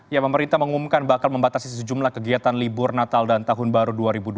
ya pemerintah mengumumkan bakal membatasi sejumlah kegiatan libur natal dan tahun baru dua ribu dua puluh